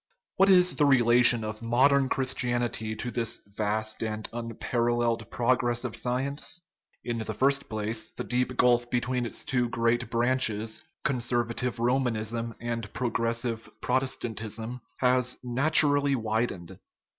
What is the relation of modern Christianity to this vast and unparalleled progress of science? In the first place, the deep gulf between its two great branches, conservative Romanism and progressive Protestant ism, has naturally widened.